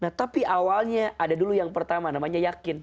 nah tapi awalnya ada dulu yang pertama namanya yakin